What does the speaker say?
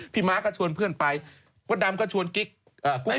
พี่ม้าก็ชวนเพื่อนไปดำก็ชวนกิ๊กกุ๊กไป